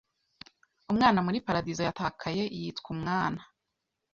Umwana muri paradizo yatakaye yitwa Umwana